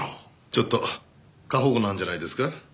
ちょっと過保護なんじゃないですか？